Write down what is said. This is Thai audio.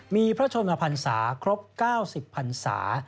มีพระชนมาพันศาครบเก้าสิบพันศา